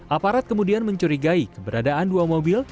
aparat kemudian mencurigai keberadaan dua mobil